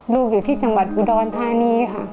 อยู่ที่จังหวัดอุดรธานีค่ะ